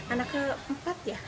anak keempat ya